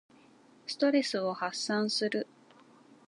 ストレスを発散する。